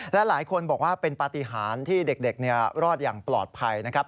และหลายคนบอกว่าเป็นปฏิหารที่เด็กรอดอย่างปลอดภัยนะครับ